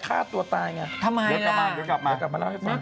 ใครว่ามาเป็นแฟน